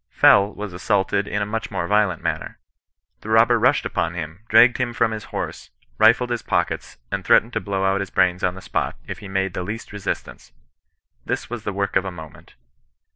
Fell was assaulted in a much more violent manner. The robber rushed upon him, dragged him from his horse, rifled his pockets, and threatened to blow out his brains on the spot if he made the least resistance. This, was the work of a moment.